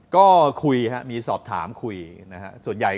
ก็คุยครับมีสอบถามคุยนะครับ